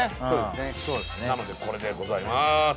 ねっなのでこれでございます